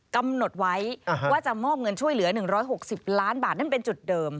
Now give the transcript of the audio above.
กำหนดไว้ว่าจะมอบเงินช่วยเหลือ๑๖๐ล้านบาทนั่นเป็นจุดเดิม